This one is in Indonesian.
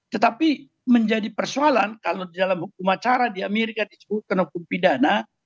tetapi menjadi persoalan kalau di dalam hukum acara di amerika disebutkan hukum pidana